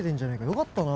よかったな。